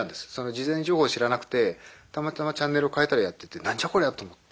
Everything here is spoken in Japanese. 事前情報を知らなくてたまたまチャンネルを変えたらやってて何じゃこりゃと思って。